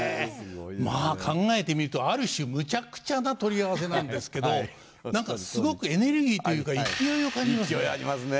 まあ考えてみるとある種むちゃくちゃな取り合わせなんですけど何かすごくエネルギーというか勢いを感じますね。